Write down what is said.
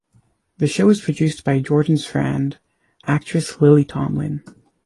The show is produced by Jordan's friend, actress Lily Tomlin.